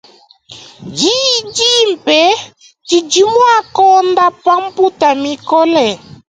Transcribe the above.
Diyi dimpe didi mua kuondopa mputa mikole.